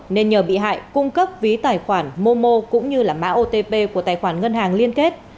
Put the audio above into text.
nên nhờ bị hại cung cấp ví tài khoản momo cũng như mã otp của tài khoản ngân hàng liên kết